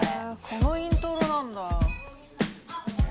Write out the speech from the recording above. このイントロなんだ。